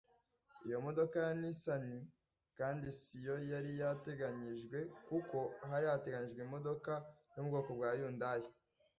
Iyi modoka ya Nissan kandi siyo yari yarateganyijwe kuko hari hateganyijwe imodoka yo mu bwoko bwa Hundai